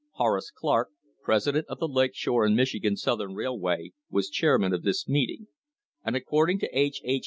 Horace Clark, president of the Lake Shore and Michigan Southern Rail road, was chairman of this meeting, and, according to H. H.